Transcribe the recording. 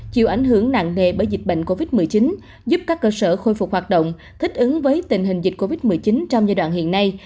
chịu ảnh hưởng nặng nề bởi dịch bệnh covid một mươi chín giúp các cơ sở khôi phục hoạt động thích ứng với tình hình dịch covid một mươi chín trong giai đoạn hiện nay